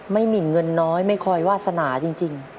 หมินเงินน้อยไม่คอยวาสนาจริง